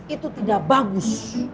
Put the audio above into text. itu tidak bagus